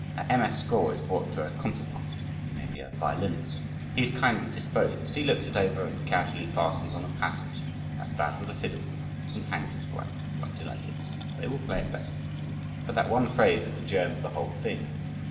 A MS. score is brought to a concertmaster he may be a violinist he is kindly disposed, he looks it over, and casually fastens on a passage "that's bad for the fiddles, it doesn't hang just right, write it like this, they will play it better." But that one phrase is the germ of the whole thing.